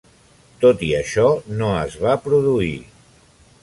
Tot i això, no es va produir.